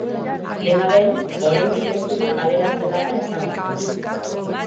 Dena den, oraindik ez dugu kaleratze-data ezagutzen.